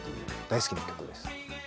大好きな曲です。